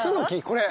これ？